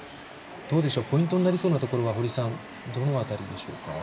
ポイントになりそうなところはどういったところでしょうか。